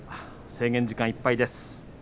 制限時間いっぱいです。